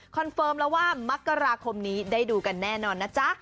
เฟิร์มแล้วว่ามกราคมนี้ได้ดูกันแน่นอนนะจ๊ะ